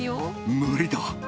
無理だ。